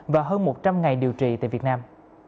và hơn một trăm linh ngày điều trị tại việt nam